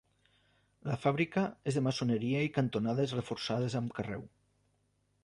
La fàbrica és de maçoneria i cantonades reforçades amb carreu.